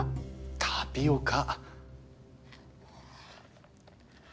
タピオカ。